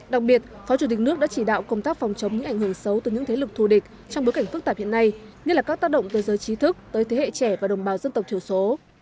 đặc biệt phó chủ tịch nước đã chỉ đạo công tác phòng chống những ảnh hưởng xấu từ những thế lực thù địch trong bối cảnh phức tạp hiện nay như là các tác động từ giới trí thức tới thế hệ trẻ và đồng bào dân tộc thiểu số